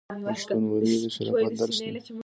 پښتونولي د شرافت درس دی.